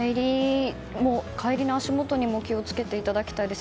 帰りの足元にも気を付けていただきたいです。